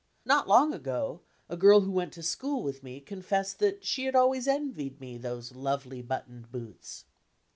Not long ago, a girl who went to school with me confessed that she had always envied me those "lovely buttoned boots."